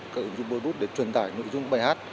các ứng dụng blube để truyền tải nội dung bài hát